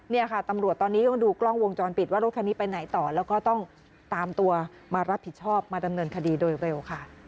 เนี่ยค่ะตำรวจตอนนี้ต้องดูกล้องวงจรปิดว่ารถคันนี้ไปไหนต่อแล้วก็ต้องตามตัวมารับผิดชอบมาดำเนินคดีโดยเร็วค่ะ